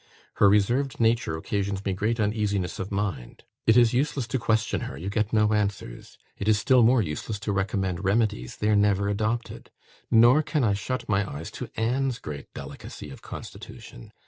Her reserved nature occasions me great uneasiness of mind. It is useless to question her; you get no answers. It is still more useless to recommend remedies; they are never adopted. Nor can I shut my eyes to Anne's great delicacy of constitution.